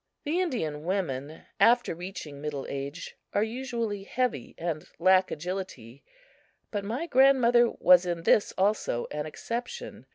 The Indian women, after reaching middle age, are usually heavy and lack agility, but my grandmother was in this also an exception.